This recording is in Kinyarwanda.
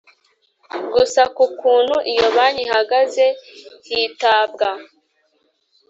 gusa ku kuntu iyo banki ihagaze hitabwa